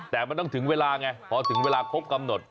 แต่มันต้องถึงเวลาไงพอถึงเวลาครบกำหนด